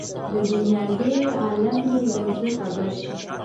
د دنیاګۍ عالم یې له زړه خبر شي.